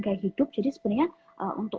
gaya hidup jadi sebenarnya untuk